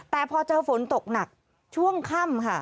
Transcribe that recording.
แต่พอเจอฝนตกหนักช่วงค่ำค่ะ